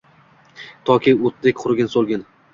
Toki o’tdek qurigin, so’lgin